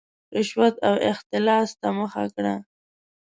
رشوت او اختلاس ته مخه کړه.